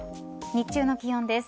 日中の気温です。